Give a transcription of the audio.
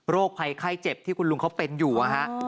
ภัยไข้เจ็บที่คุณลุงเขาเป็นอยู่นะฮะ